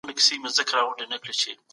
ته به شکرباسې